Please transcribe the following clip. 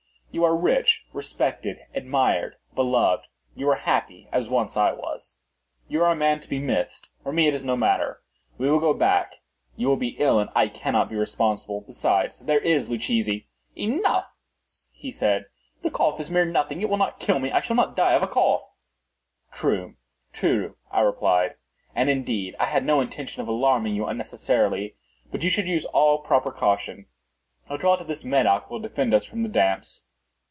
You are rich, respected, admired, beloved; you are happy, as once I was. You are a man to be missed. For me it is no matter. We will go back; you will be ill, and I cannot be responsible. Besides, there is Luchesi—" "Enough," he said; "the cough is a mere nothing; it will not kill me. I shall not die of a cough." "True—true," I replied; "and, indeed, I had no intention of alarming you unnecessarily—but you should use all proper caution. A draught of this Medoc will defend us from the damps."